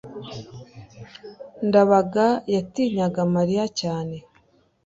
ndabaga yatinyaga mariya cyane